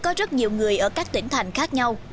thì em cảm thấy rất là nhiều người ở các tỉnh thành khác nhau